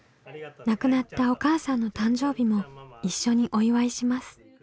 亡くなったお母さんの誕生日も一緒にお祝いします。